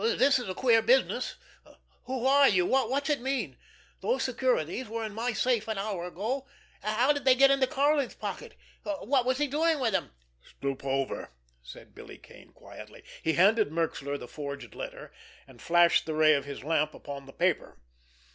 "This is a queer business! Who are you? What's it mean? Those securities were in my safe an hour ago—how did they get into Karlin's pocket? What was he doing with them?" "Stoop over!" said Billy Kane quietly. He handed Merxler the forged letter, and flashed the ray of his lamp upon the paper.